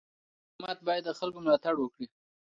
حکومت باید د خلکو ملاتړ وکړي.